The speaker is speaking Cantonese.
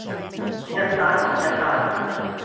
一單還一單